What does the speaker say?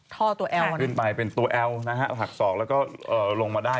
ท่อตัวแอลขึ้นไปเป็นตัวแอลนะฮะหักศอกแล้วก็ลงมาได้